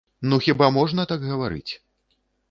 Ну хіба можна так гаварыць?!